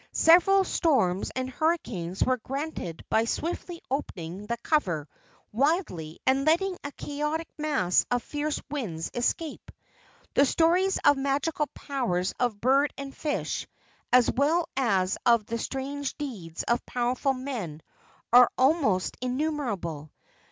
Severe storms and hurricanes were granted by swiftly opening the cover widely and letting a chaotic mass of fierce winds escape. The stories of magical powers of bird and fish as well as of the strange deeds of powerful men are almost innumerable.